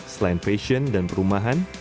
selain passion dan perumahan